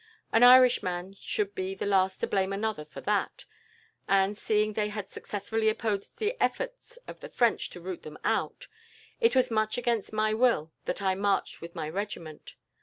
An Irishman should be the last to blame another for that, and, seeing they had successfully opposed the efforts of the French to root them out, it was much against my will that I marched with my regiment.